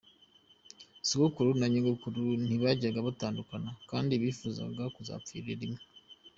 Sogokuru na Nyogokuru ntibajyaga batandukana, kandi bifuzaga kuzapfira rimwe.